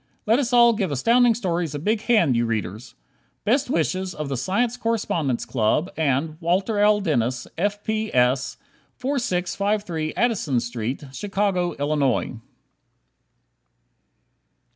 Let us all give Astounding Stories a big hand, you readers! Best wishes of the Science Correspondence Club and Walter L. Dennis, F. P. S., 4653 Addison St., Chicago, Illinois.